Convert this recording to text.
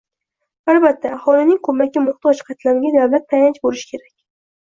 Albatta, aholining ko‘makka muxtoj qatlamiga davlat tayanch bo‘lishi kerak.